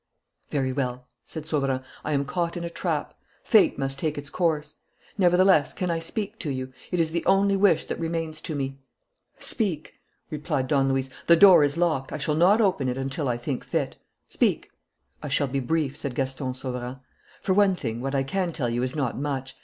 "Very well," said Sauverand. "I am caught in a trap. Fate must take its course. Nevertheless, can I speak to you? It is the only wish that remains to me." "Speak," replied Don Luis. "The door is locked. I shall not open it until I think fit. Speak." "I shall be brief," said Gaston Sauverand. "For one thing, what I can tell you is not much.